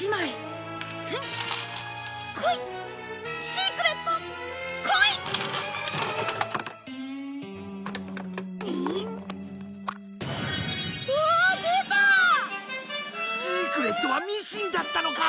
シークレットはミシンだったのか！